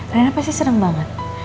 reina pasti seneng banget